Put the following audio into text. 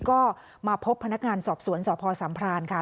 ก็มาพบพนักงานสอบสวนสพสัมพรานค่ะ